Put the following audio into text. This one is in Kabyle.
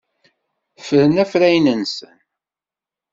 Ffren afrayen-nsen.